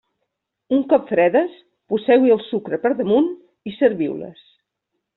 Un cop fredes, poseu-hi el sucre pel damunt i serviu-les.